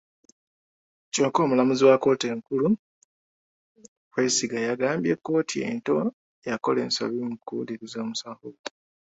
Kyokka omulamuzi wa kkooti enkulu Kwesiga yagambye kkooti ento yakola ensobi mukuwuliriza omusango guno.